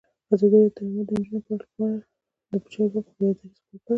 ازادي راډیو د تعلیمات د نجونو لپاره لپاره د چارواکو دریځ خپور کړی.